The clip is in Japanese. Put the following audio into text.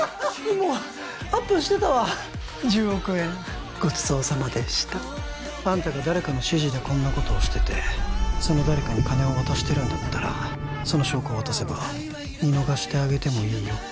もうアップしてたわ１０億円ごちそうさまでしたあんたが誰かの指示でこんなことをしててその誰かに金を渡してるんだったらその証拠を渡せば見逃してあげてもいいよ